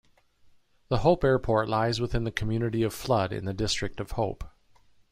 The Hope Airport lies within the community of Flood in the District of Hope.